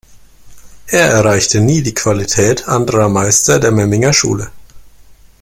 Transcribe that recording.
Er erreichte nie die Qualität anderer Meister der Memminger Schule.